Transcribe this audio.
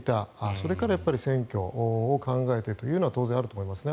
それから選挙を考えてというのは当然あると思いますね。